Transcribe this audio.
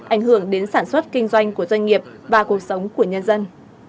ảnh hưởng đến sản xuất kinh doanh của doanh nghiệp và cuộc sống của nhân dân